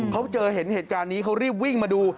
เขาเจอเห็นเหตุการณ์นี้เขารีบวิ่งมาดู